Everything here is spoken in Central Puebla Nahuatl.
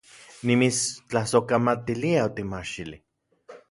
Nimitstlasojkamatilia otimajxili